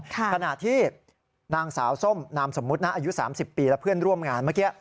ขณะที่นางสาวส้มนามสมมุตินะอายุ๓๐ปีและเพื่อนร่วมงานเมื่อกี้